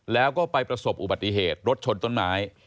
แล้วก็ไปประสบอุบัติเหตุรถชนต้นไม้